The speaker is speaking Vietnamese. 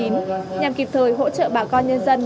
nhằm kịp thời hỗ trợ bà con nhân dân